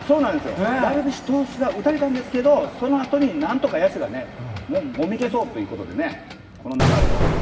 ダルビッシュ投手が打たれたんですけどそのあとに何とか野手がもみ消そうということでねこの流れを。